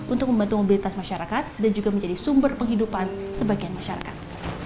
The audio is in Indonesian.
untuk membantu mobilitas masyarakat dan juga menjadi sumber penghidupan sebagian masyarakat